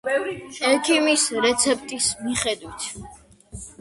ექიმის რეცეპტის მიხედვით!